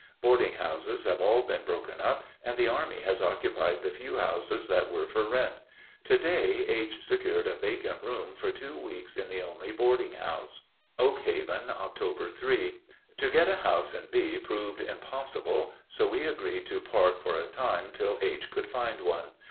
Boarding houses have all been broken up, and the army has occupied the few houses that were for rent. To day H. secured a vacant room for two weeks in the only boarding house. Oak Haven, Oct. 3. To get a house in V. proved impossible, so we agreed to part for a time till H. could find one.